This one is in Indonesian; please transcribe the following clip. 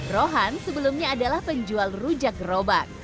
rohan sebelumnya adalah penjual rujak gerobak